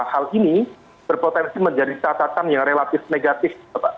hal ini berpotensi menjadi catatan yang relatif negatif